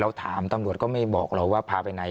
ถามตำรวจก็ไม่บอกเราว่าพาไปไหน